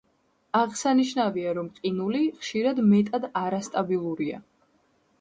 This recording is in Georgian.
აღსანიშნავია, რომ ყინული ხშირად მეტად არასტაბილურია.